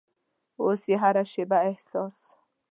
اوس مې هره شیبه احساس